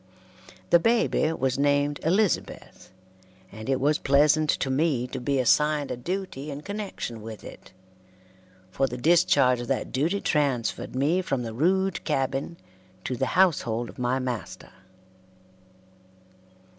The baby was named Elizabeth, and it was pleasant to me to be assigned a duty in connection with it, for the discharge of that duty transferred me from the rude cabin to the household of my master.